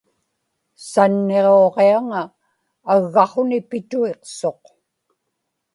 sanniġuġiaŋa aggaqhuni pituiqsuq